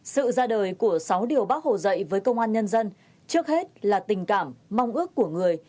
sự ra đời của sáu điều bác hồ dạy với công an nhân dân trước hết là tình cảm mong ước của người